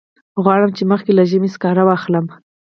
غواړم چې مخکې له ژمي سکاره واخلم.